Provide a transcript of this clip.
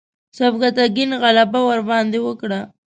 سبکتګین غلبه ورباندې وکړه.